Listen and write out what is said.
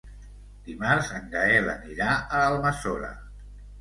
Dimarts en Gaël anirà a Almassora.